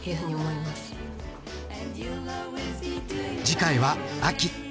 次回は秋。